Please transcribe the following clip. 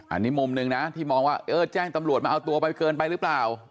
อันนี้มุมหนึ่งนะที่มองว่าเออแจ้งตำรวจมาเอาตัวไปเกินไปหรือเปล่า